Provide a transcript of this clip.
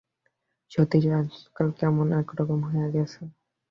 শচীশ আজকাল কেমন-এক-রকম হইয়া গেছে।